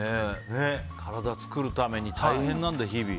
体作るために大変なんだ、日々。